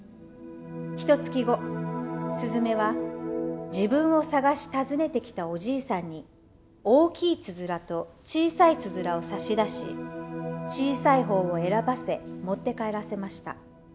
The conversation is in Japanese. ひとつき後すずめは自分を捜し訪ねてきたおじいさんに大きいつづらと小さいつづらを差し出し小さい方を選ばせ持って帰らせました。